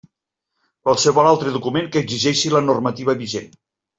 Qualsevol altre document que exigeixi la normativa vigent.